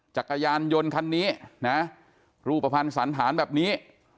จักรยานยนต์คันนี้นะรูปภัณฑ์สันธารแบบนี้